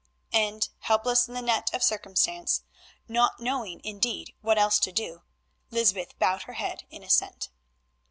and helpless in the net of circumstance, not knowing indeed what else to do, Lysbeth bowed her head in assent.